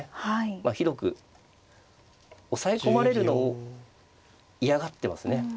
まあひどく押さえ込まれるのを嫌がってますね。